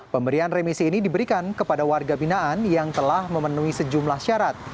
pemberian remisi ini diberikan kepada warga binaan yang telah memenuhi sejumlah syarat